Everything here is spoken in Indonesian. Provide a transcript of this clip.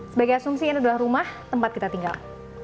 sebagai asumsi ini adalah rumah tempat kita tinggal